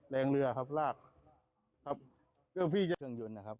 แรงเรือครับราบ